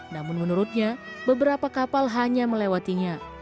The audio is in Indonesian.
namun menurutnya beberapa kapal hanya melewatinya